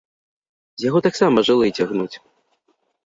З яго таксама жылы цягнуць!